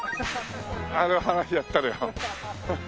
あの話やったのよ。